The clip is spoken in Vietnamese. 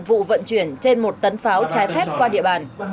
vụ vận chuyển trên một tấn pháo trái phép qua địa bàn